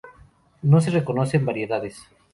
No se reconocen variedades.